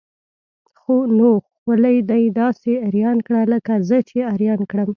نو خولي ده داسې اریان کړه لکه زه چې اریان کړم.